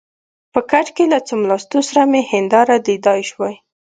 په کټ کې له څملاستو سره مې هنداره لیدلای شوای.